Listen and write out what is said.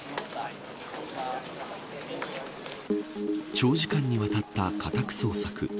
長時間にわたった家宅捜索。